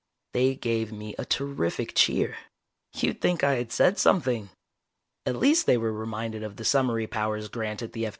They gave me a terrific cheer. You'd think I had said something. At least they were reminded of the summary powers granted the F.